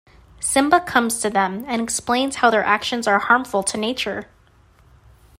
Simba comes to them and explains how their actions are harmful to nature.